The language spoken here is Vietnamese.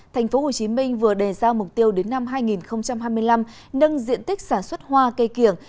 thành phố hồ chí minh vừa đề ra mục tiêu đến năm hai nghìn hai mươi năm nâng diện tích sản xuất hoa cây kiểng